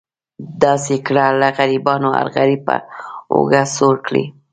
داسې کړه له غریبانو هر غریب پر اوږه سور کړي.